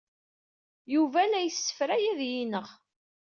Yuba la yessefray ad iyi-ineɣ.